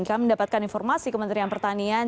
kami mendapatkan informasi kementerian pertanian